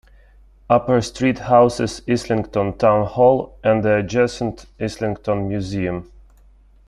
Upper Street houses Islington Town Hall, and the adjacent Islington Museum.